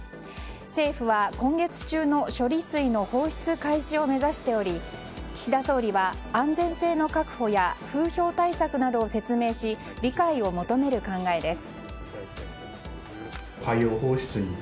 政府は今月中の処理水の放出開始を目指しており岸田総理は安全性の確保や風評対策などを説明し理解を求める考えです。